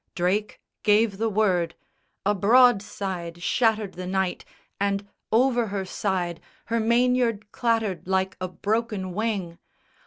Drake gave the word. A broadside shattered the night, and over her side Her main yard clattered like a broken wing!